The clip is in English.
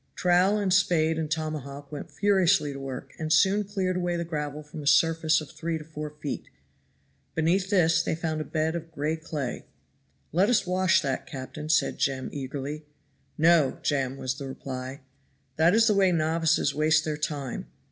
Trowel and spade and tomahawk went furiously to work, and soon cleared away the gravel from a surface of three or four feet. Beneath this they found a bed of gray clay. "Let us wash that, captain," said Jem eagerly. "No! Jem," was the reply; "that is the way novices waste their time.